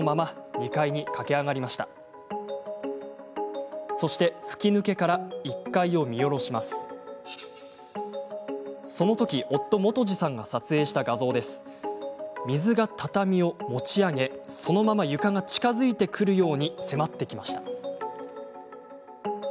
水が畳を持ち上げそのまま床が近づいてくるように迫ってきました。